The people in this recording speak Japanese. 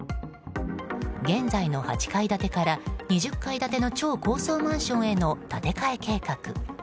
現在の８階建てから２０階建ての超高層マンションへの建て替え計画。